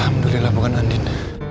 alhamdulillah bukan andin